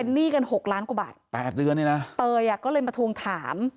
หนี้กันหกล้านกว่าบาทแปดเดือนเนี่ยนะเตยอ่ะก็เลยมาทวงถาม